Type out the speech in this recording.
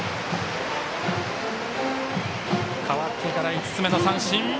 代わってから５つ目の三振。